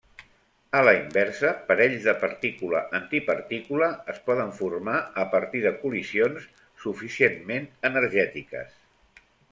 A la inversa, parells de partícula-antipartícula es poden formar a partir de col·lisions suficientment energètiques.